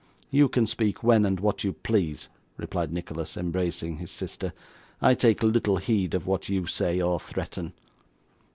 'You can speak when and what you please,' replied Nicholas, embracing his sister. 'I take little heed of what you say or threaten.